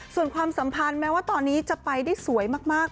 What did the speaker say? ส่วนความสัมพันธ์แม้ว่าตอนนี้จะไปได้สวยมาก